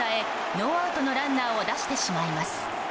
ノーアウトのランナーを出してしまいます。